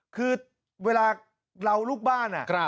คือเวลาเรารุกบ้านอ่ะ